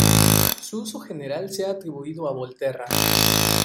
Su uso en general se ha atribuido a Volterra.